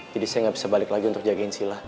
jadi saya gak bisa balik lagi untuk jagain sila